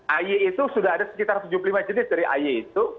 ay itu sudah ada sekitar tujuh puluh lima jenis dari ay itu